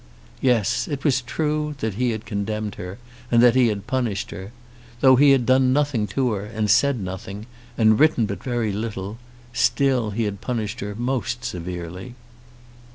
Yes it was true that he had condemned her, and that he had punished her. Though he had done nothing to her, and said nothing, and written but very little, still he had punished her most severely.